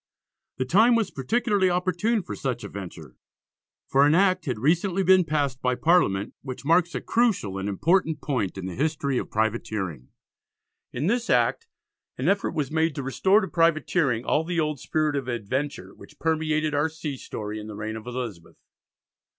The time was particularly opportune for such a venture, for an Act had recently been passed by Parliament which marks a crucial and important point in the history of privateering. In this Act an effort was made to restore to privateering all the old spirit of adventure which permeated our sea story in the reign of Elizabeth.